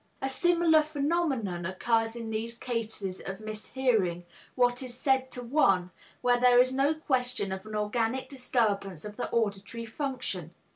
A similar phenomenon occurs in those cases of mishearing what is said to one, where there is no question of an organic disturbance of the auditory function.